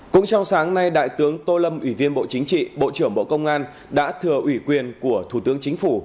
cũng trong sáng nay đại tướng tô lâm ủy viên bộ chính trị bộ trưởng bộ công an đã thừa ủy quyền của thủ tướng chính phủ